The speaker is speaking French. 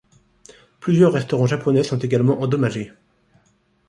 Plusieurs restaurants japonais sont également endommagés.